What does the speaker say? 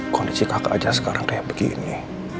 kondisi kakak aja sekarang kayak begini